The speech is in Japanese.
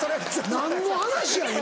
何の話や今。